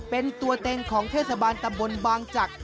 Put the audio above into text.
เป็นตัวเต็งของเทศบาลตำบลบางจักร